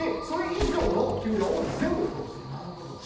で、それ以上の給料を全部投資。